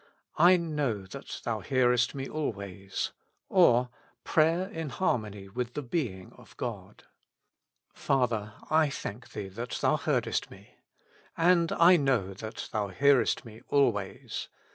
I know that Thou hearest me always ;*' or Prayer in harmony with the being of God. Father^ I thank Thee that Thou heardesi me. And I knew that Thou hearest ifie always.